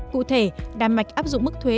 cụ thể đà mạch áp dụng mức thuế